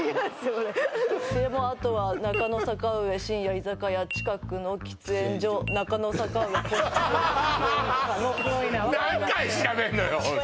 これでもうあとは「中野坂上深夜居酒屋」「近くの喫煙所」「中野坂上個室」「喫煙可能」何回調べんのよ？